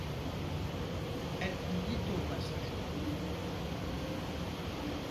Elle compte dix tomes à ce jour.